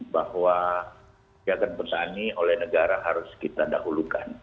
bahwa agar pertanian oleh negara harus kita dahulukan